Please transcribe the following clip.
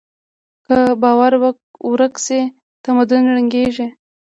که باور ورک شي، تمدن ړنګېږي.